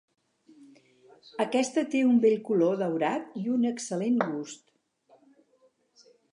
Aquesta té un bell color daurat i un excel·lent gust.